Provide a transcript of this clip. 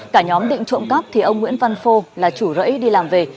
cả nhóm định trộm cắp thì ông nguyễn văn phô là chủ rẫy đi làm về